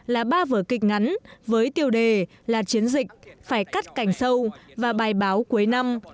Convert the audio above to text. là ba vở kịch ngắn với tiêu đề là chiến dịch phải cắt cảnh sâu và bài báo cuối năm